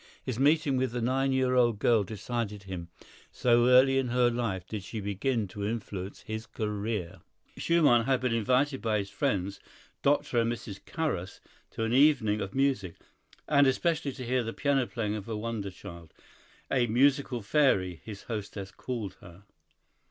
His meeting with the nine year old girl decided him—so early in her life did she begin to influence his career! [Illustration: Robert Schumann.] Schumann had been invited by his friends, Dr. and Mrs. Carus, to an evening of music, and especially to hear the piano playing of a wonder child—a "musical fairy," his hostess called her.